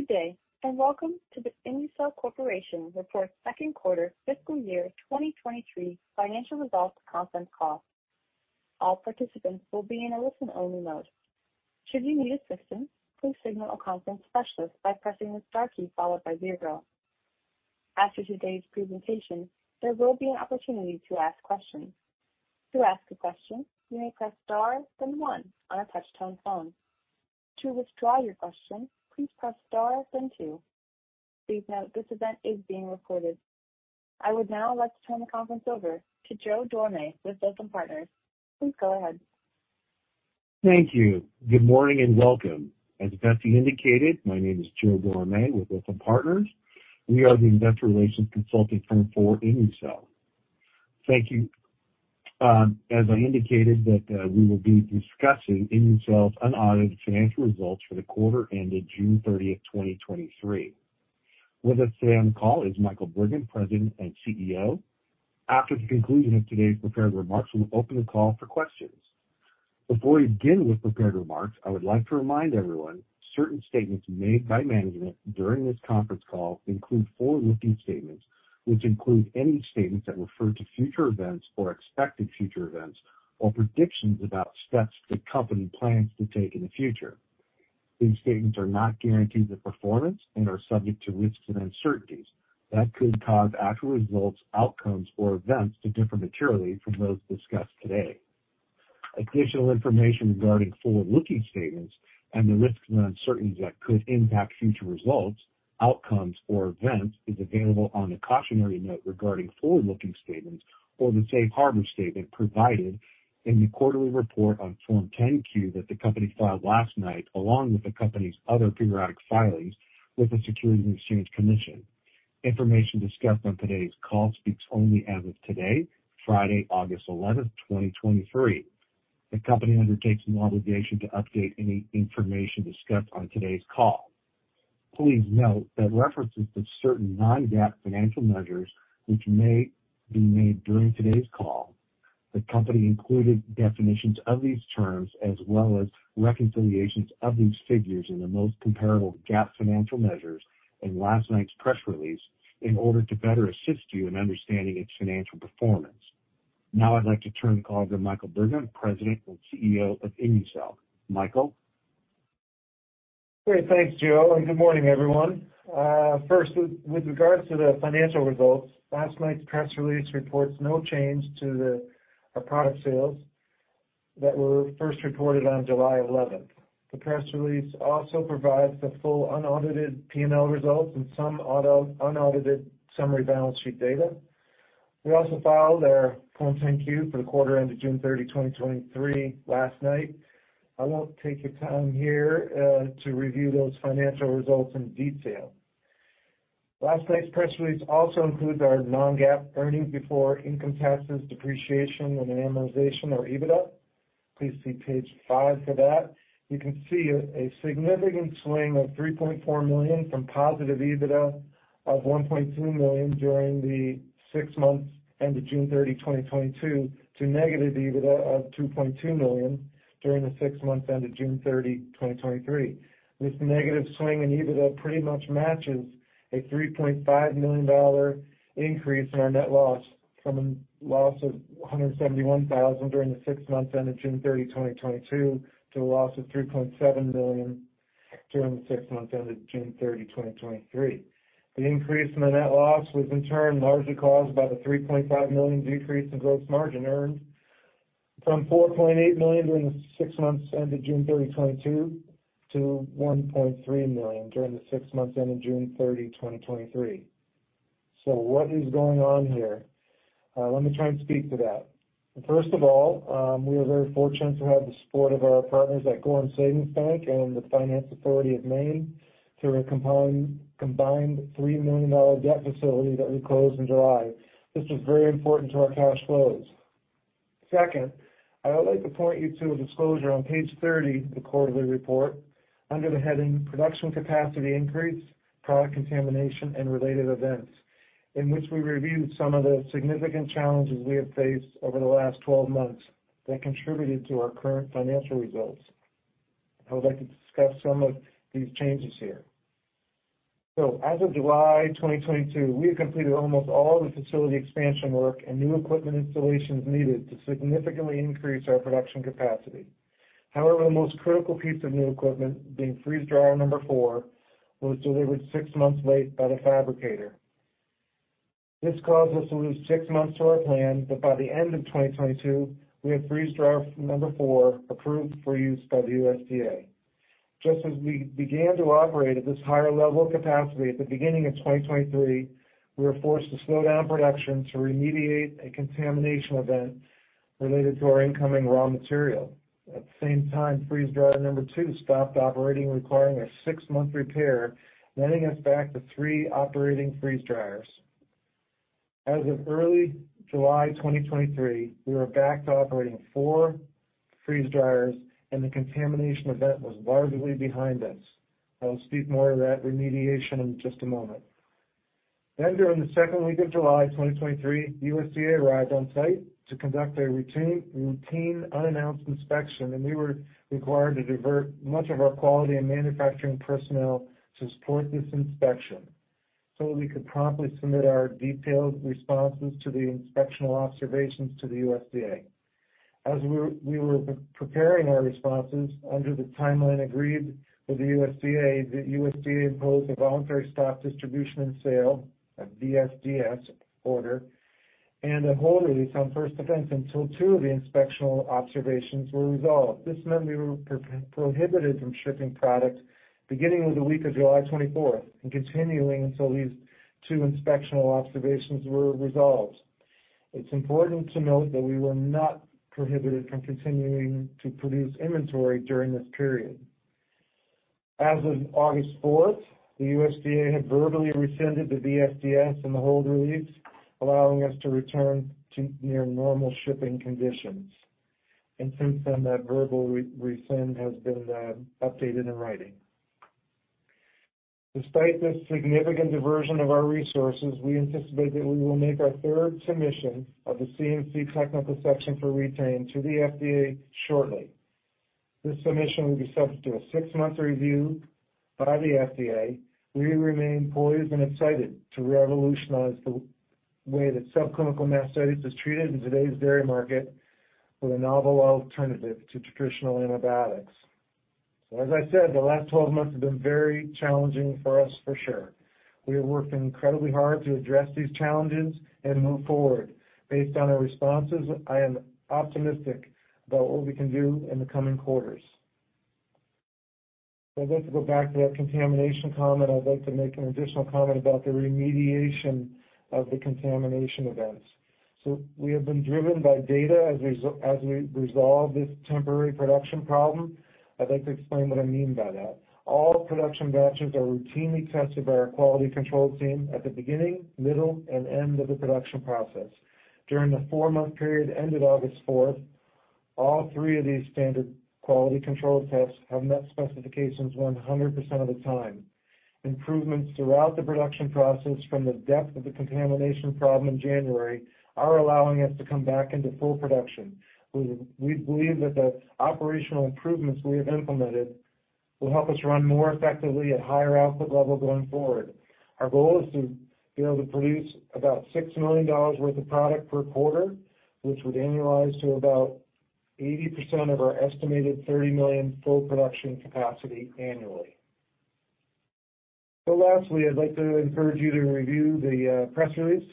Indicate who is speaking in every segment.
Speaker 1: Good day, and welcome to the ImmuCell Corporation Report, second quarter fiscal year 2023 financial results conference call. All participants will be in a listen-only mode. Should you need assistance, please signal a conference specialist by pressing the star key followed by zero. After today's presentation, there will be an opportunity to ask questions. To ask a question, you may press star, then one on a touch-tone phone. To withdraw your question, please press star, then two. Please note, this event is being recorded. I would now like to turn the conference over to Joe Dorame with Lytham Partners. Please go ahead.
Speaker 2: Thank you. Good morning, and welcome. As Betsy indicated, my name is Joe Dorame with Lytham Partners. We are the investor relations consulting firm for ImmuCell. Thank you. As I indicated that, we will be discussing ImmuCell's unaudited financial results for the quarter ended June 30, 2023. With us today on the call is Michael Brigham, President and CEO. After the conclusion of today's prepared remarks, we'll open the call for questions. Before we begin with prepared remarks, I would like to remind everyone, certain statements made by management during this conference call include forward-looking statements, which include any statements that refer to future events or expected future events, or predictions about steps the company plans to take in the future. These statements are not guarantees of performance and are subject to risks and uncertainties that could cause actual results, outcomes, or events to differ materially from those discussed today. Additional information regarding forward-looking statements and the risks and uncertainties that could impact future results, outcomes, or events is available on the cautionary note regarding forward-looking statements or the safe harbor statement provided in the quarterly report on Form 10-Q that the company filed last night, along with the company's other periodic filings with the Securities and Exchange Commission. Information discussed on today's call speaks only as of today, Friday, August 11th, 2023. The company undertakes an obligation to update any information discussed on today's call. Please note that references to certain non-GAAP financial measures which may be made during today's call. The company included definitions of these terms, as well as reconciliations of these figures in the most comparable GAAP financial measures in last night's press release, in order to better assist you in understanding its financial performance. I'd like to turn the call over to Michael Brigham, President and CEO of ImmuCell. Michael?
Speaker 3: Great. Thanks, Joe. Good morning, everyone. First, with regards to the financial results, last night's press release reports no change to our product sales that were first reported on July 11. The press release also provides the full unaudited P&L results and some unaudited summary balance sheet data. We also filed our Form 10-Q for the quarter ended June 30, 2023 last night. I won't take your time here to review those financial results in detail. Last night's press release also includes our non-GAAP earnings before income taxes, depreciation, and amortization, or EBITDA. Please see page five for that. You can see a significant swing of $3.4 million from positive EBITDA of $1.2 million during the six months end of June 30, 2022, to negative EBITDA of $2.2 million during the six months end of June 30, 2023. This negative swing in EBITDA pretty much matches a $3.5 million increase in our net loss from a loss of $171,000 during the six months end of June 30, 2022, to a loss of $3.7 million during the six months end of June 30, 2023. The increase in the net loss was in turn largely caused by the $3.5 million decrease in gross margin earned from $4.8 million during the six months ended June 30, 2022, to $1.3 million during the six months ended June 30, 2023. What is going on here? Let me try and speak to that. First of all, we are very fortunate to have the support of our partners at Gorham Savings Bank and the Finance Authority of Maine through a combined $3 million debt facility that we closed in July. This was very important to our cash flows. Second, I would like to point you to a disclosure on page 30 of the quarterly report under the heading Production Capacity Increase, Product Contamination, and Related Events, in which we reviewed some of the significant challenges we have faced over the last 12 months that contributed to our current financial results. I would like to discuss some of these changes here. As of July 2022, we have completed almost all the facility expansion work and new equipment installations needed to significantly increase our production capacity. However, the most critical piece of new equipment, being freeze dryer number four, was delivered six months late by the fabricator. This caused us to lose six months to our plan, but by the end of 2022, we had freeze dryer number four approved for use by the USDA. Just as we began to operate at this higher level of capacity at the beginning of 2023, we were forced to slow down production to remediate a contamination event related to our incoming raw material. At the same time, freeze dryer number two stopped operating, requiring a six-month repair, letting us back to three operating freeze dryers. As of early July 2023, we were back to operating four freeze dryers, and the contamination event was largely behind us. I'll speak more to that remediation in just a moment. During the second week of July 2023, USDA arrived on site to conduct a routine, routine unannounced inspection, and we were required to divert much of our quality and manufacturing personnel to support this inspection so that we could promptly submit our detailed responses to the inspectional observations to the USDA. As we were preparing our responses under the timeline agreed with the USDA, the USDA imposed a voluntary stop distribution and sale, a VSDS order, and a hold release on First Defense until two of the inspectional observations were resolved. This meant we were prohibited from shipping products beginning of the week of July 24th and continuing until these two inspectional observations were resolved. It's important to note that we were not prohibited from continuing to produce inventory during this period. As of August 4th, the USDA had verbally rescinded the VSDS and the hold release, allowing us to return to near normal shipping conditions, and since then, that verbal rescind has been updated in writing. Despite this significant diversion of our resources, we anticipate that we will make our 3rd submission of the CMC technical section for Re-Tain to the FDA shortly. This submission will be subject to a six-month review by the FDA. We remain poised and excited to revolutionize the way that subclinical mastitis is treated in today's dairy market with a novel alternative to traditional antibiotics. As I said, the last 12 months have been very challenging for us, for sure. We have worked incredibly hard to address these challenges and move forward. Based on our responses, I am optimistic about what we can do in the coming quarters. I'd like to go back to that contamination comment. I'd like to make an additional comment about the remediation of the contamination events. We have been driven by data as we resolve this temporary production problem. I'd like to explain what I mean by that. All production batches are routinely tested by our quality control team at the beginning, middle, and end of the production process. During the four-month period, ended August fourth, all three of these standard quality control tests have met specifications 100% of the time. Improvements throughout the production process from the depth of the contamination problem in January are allowing us to come back into full production. We believe that the operational improvements we have implemented will help us run more effectively at higher output level going forward. Our goal is to be able to produce about $6 million worth of product per quarter, which would annualize to about 80% of our estimated $30 million full production capacity annually. Lastly, I'd like to encourage you to review the press release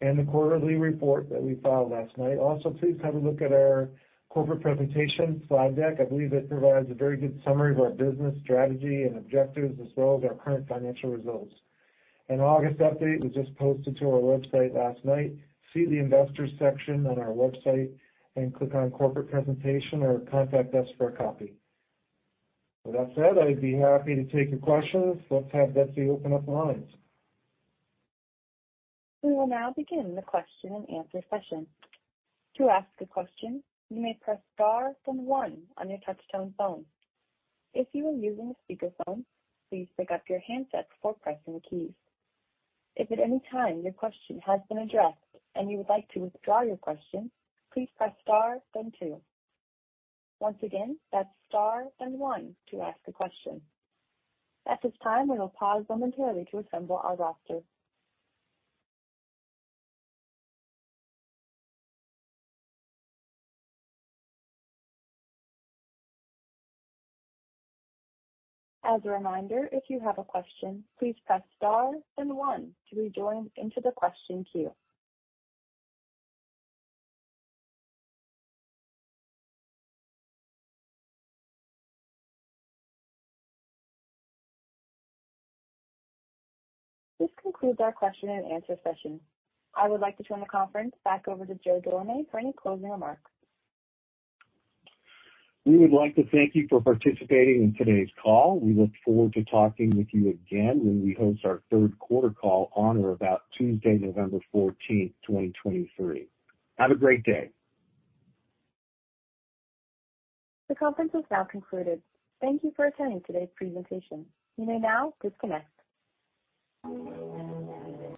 Speaker 3: and the quarterly report that we filed last night. Also, please have a look at our corporate presentation slide deck. I believe it provides a very good summary of our business strategy and objectives, as well as our current financial results. An August update was just posted to our website last night. See the investors section on our website and click on Corporate Presentation, or contact us for a copy. With that said, I'd be happy to take your questions. Let's have Betsy open up the lines.
Speaker 1: We will now begin the question-and-answer session. To ask a question, you may press Star then one on your touchtone phone. If you are using a speakerphone, please pick up your handset before pressing the keys. If at any time your question has been addressed and you would like to withdraw your question, please press Star then two. Once again, that's Star then one to ask a question. At this time, we will pause momentarily to assemble our roster. As a reminder, if you have a question, please press Star then one to be joined into the question queue. This concludes our question-and-answer session. I would like to turn the conference back over to Joe Dorame for any closing remarks.
Speaker 2: We would like to thank you for participating in today's call. We look forward to talking with you again when we host our third quarter call on or about Tuesday, November 14th, 2023. Have a great day.
Speaker 1: The conference is now concluded. Thank you for attending today's presentation. You may now disconnect.